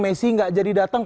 messi tidak datang